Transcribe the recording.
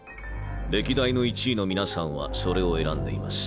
歴代の１位の皆さんはそれを選んでいます。